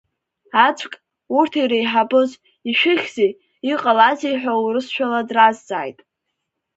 Аӡәк, урҭ иреиҳабыз, ишәыхьзеи, иҟалазеи ҳәа урысшәала дразҵааит.